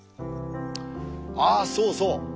ああそうそう。